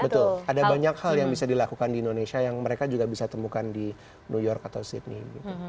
betul ada banyak hal yang bisa dilakukan di indonesia yang mereka juga bisa temukan di new york atau sydney